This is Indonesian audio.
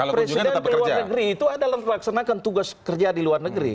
karena presiden ke luar negeri itu adalah melaksanakan tugas kerja di luar negeri